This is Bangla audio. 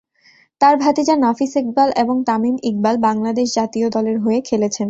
তার ভাতিজা নাফিস ইকবাল এবং তামিম ইকবাল বাংলাদেশ জাতীয় দলের হয়ে খেলেছেন।